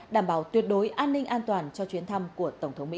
đảm bảo tuyệt đối an ninh an toàn cho chuyến thăm của tổng thống mỹ